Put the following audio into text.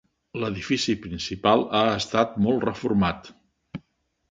L'edifici principal ha estat molt reformat.